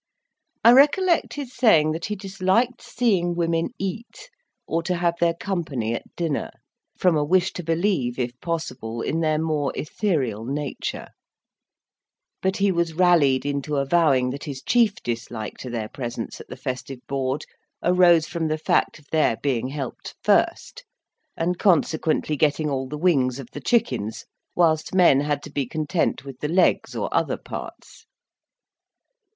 I recollect his saying that he disliked seeing women eat, or to have their company at dinner, from a wish to believe, if possible, in their more ethereal nature; but he was rallied into avowing that his chief dislike to their presence at the festive board arose from the fact of their being helped first, and consequently getting all the wings of the chickens, whilst men had to be content with the legs or other parts.